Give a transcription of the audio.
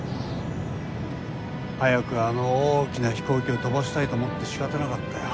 早くあの大きな飛行機を飛ばしたいと思って仕方なかったよ。